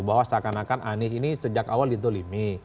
bahwa seakan akan anies ini sejak awal didolimi